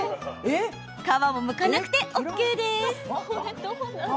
皮もむかなくてＯＫです。